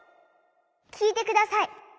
きいてください。